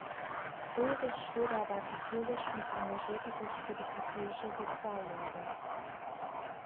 Ulrich Schröder war katholisch und engagierte sich für die katholische Soziallehre.